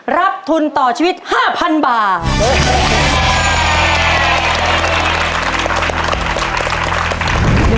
รับทุนต่อชีวิต๕๐๐๐บาท